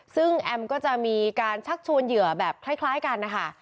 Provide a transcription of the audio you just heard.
ซึ่งแอมก็จะมีการชักชวนเหยื่อแบบคล้ายกันนะคะ